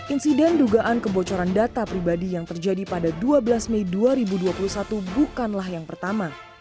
insiden dugaan kebocoran data pribadi yang terjadi pada dua belas mei dua ribu dua puluh satu bukanlah yang pertama